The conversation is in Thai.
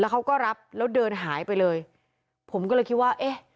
เขาก็รับแล้วเดินหายไปเลยผมก็เลยคิดว่าเอ๊ะ